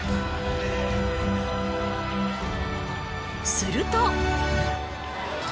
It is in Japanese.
すると。